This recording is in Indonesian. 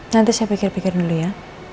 nanti saya pikir pikir dulu ya